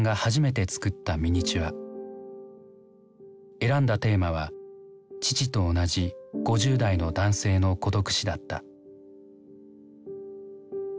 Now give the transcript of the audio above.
選んだテーマは父と同じ５０代の男性の孤独死だった。